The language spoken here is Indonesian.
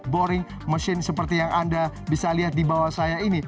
boring mesin seperti yang anda bisa lihat di bawah saya ini